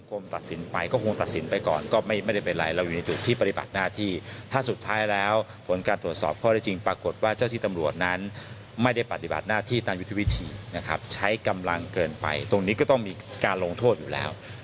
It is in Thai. ก็ไม่ได้เป็นไรเราอยู่ในจุดที่ปฏิบัติหน้าที่ถ้าสุดท้ายแล้วผลการตรวจสอบพอได้จริงปรากฏว่าเจ้าที่ตำรวจนั้นไม่ได้ปฏิบัติหน้าที่ตามวิธีใช้กำลังเกินไปตรงนี้ก็ต้องมีการลงโทษอยู่แล้ว